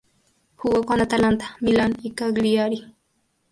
Jugó con Atalanta, Milan y Cagliari.